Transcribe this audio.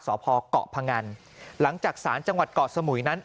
สพเกาะพงันหลังจากสารจังหวัดเกาะสมุยนั้น